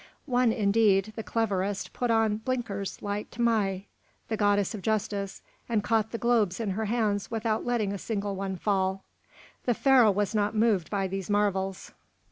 One, indeed, the cleverest, put on blinkers like Tmei, the goddess of justice, and caught the globes in her hands without letting a single one fall. The Pharaoh was not moved by these marvels.